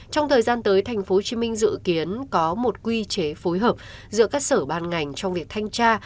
trong thời gian tới tp hcm dự kiến có một quy chế phối hợp giữa các sở ban ngành trong việc thanh tra